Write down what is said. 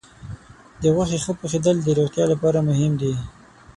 د غوښې ښه پخېدل د روغتیا لپاره مهم دي.